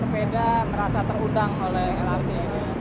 kita merasa terundang oleh lrt ini